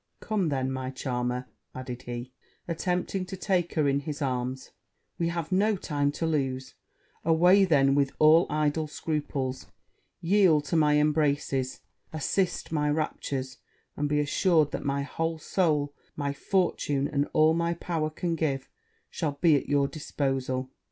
'Come, then, my charmer,' added he, attempting to take her in his arms, 'we have no time to lose away, then, with all idle scruples yield to my embraces assist my raptures and be assured that my whole soul, my fortune, and all my power can give, shall be at your disposal!'